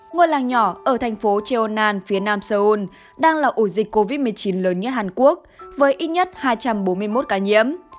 ngôi làng nhỏ ở thành phố cheona phía nam seoul đang là ổ dịch covid một mươi chín lớn nhất hàn quốc với ít nhất hai trăm bốn mươi một ca nhiễm